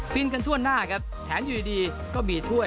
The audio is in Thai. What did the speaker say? กันทั่วหน้าครับแถมอยู่ดีก็มีถ้วย